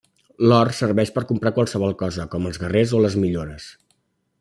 L'or serveix per comprar qualsevol cosa, com els guerrers o les millores.